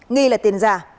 nghi là tiền giả